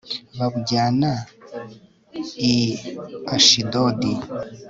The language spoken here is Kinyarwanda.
babujyana i ashidodi